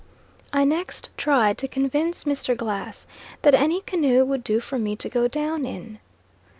I next tried to convince Mr. Glass that any canoe would do for me to go down in.